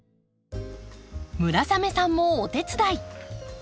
村雨さんもお手伝い！